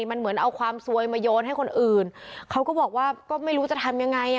มันเหมือนเอาความซวยมาโยนให้คนอื่นเขาก็บอกว่าก็ไม่รู้จะทำยังไงอ่ะ